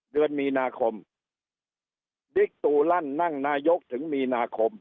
เดือนมีนาคมบิ๊กตูลั่นนั่งนายกถึงมีนาคม